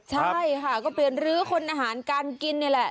ใช่ค่ะก็เปลี่ยนรื้อคนอาหารการกินนี่แหละ